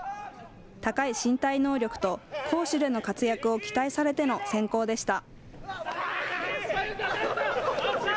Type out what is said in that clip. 高い身体能力と攻守での活躍を期待されての選考でした。